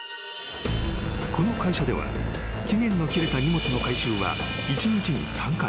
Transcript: ［この会社では期限の切れた荷物の回収は一日に３回］